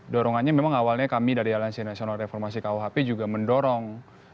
dorongannya memang awalnya kami dari aliansi nasional reformasi kuhp juga mendorong